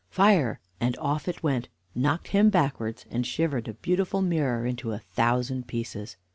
fire!" and off it went, knocked him backwards, and shivered a beautiful mirror into a thousand pieces.